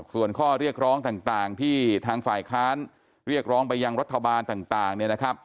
ส่วนข้อเรียกร้องต่างที่ทางฝ่ายค้านเรียกร้องไปยังรัฐบาลต่าง